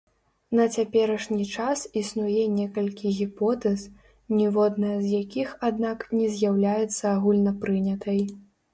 На цяперашні час існуе некалькі гіпотэз, ніводная з якіх, аднак, не з'яўляецца агульнапрынятай.